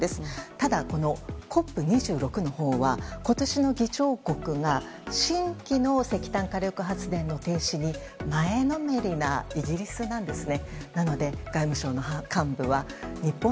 ただ、ＣＯＰ２６は今年の議長国が新規の石炭火力発電の停止に前のめりなイギリスなんですね。